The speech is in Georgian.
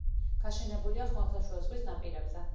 გაშენებულია ხმელთაშუა ზღვის ნაპირებზე.